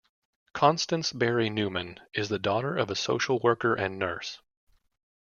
Constance Berry Newman is the daughter of a social worker and nurse.